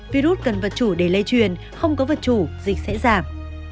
virus cần vật chủ để lây truyền không có vật chủ dịch sẽ giảm